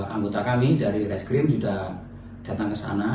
anggota kami dari reskrim sudah datang ke sana